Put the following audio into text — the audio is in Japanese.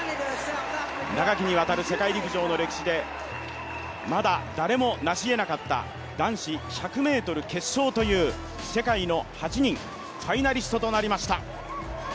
長きにわたる世界陸上の歴史でまだ誰もなしえなかった男子１００ｍ決勝という世界の８人ファイナリストとなりました。